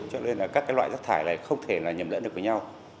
cho nên là các loại rác thải này không thể nhầm lẫn được với nhau